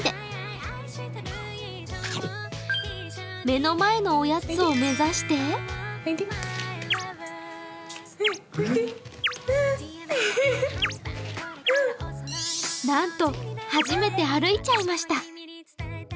目の前のおやつを目指してなんと、初めて歩いちゃいました。